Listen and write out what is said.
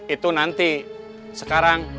itu nanti sekarang